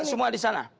semua di sana